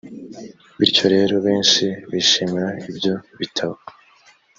bityo rero benshi bishimira ibyo bitabo